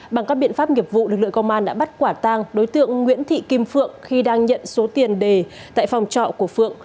bằng các biện pháp nghiệp vụ lực lượng công an đã bắt quả tang đối tượng nguyễn thị kim phượng khi đang nhận số tiền đề tại phòng trọ của phượng